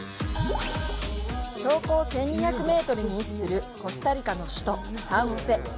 標高１２００メートルに位置するコスタリカの首都・サンホセ。